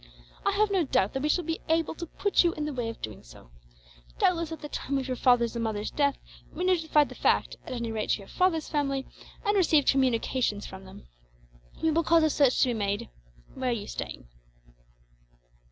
"I have no doubt that we shall be able to put you in the way of doing so. Doubtless, at the time of your father's and mother's death, we notified the fact at any rate to your father's family and received communications from them. We will cause a search to be made. Where are you staying?"